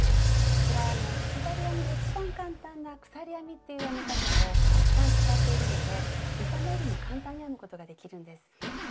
こちらかぎ針編みで一番簡単な「鎖編み」っていう編み方をたくさん使っているので見た目よりも簡単に編むことができるんです。